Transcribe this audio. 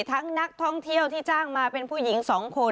นักท่องเที่ยวที่จ้างมาเป็นผู้หญิง๒คน